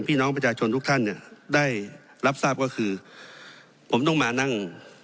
พี่น้องประชาชนทุกท่านเนี่ยได้รับทราบก็คือผมต้องมานั่ง